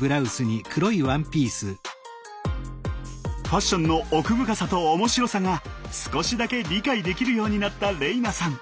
ファッションの奥深さと面白さが少しだけ理解できるようになった玲那さん。